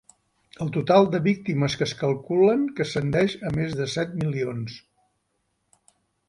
El total de víctimes que es calculen que ascendeix a més de set milions.